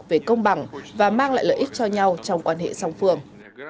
về công bằng và mang lại lợi ích cho nhau trong quan hệ song phương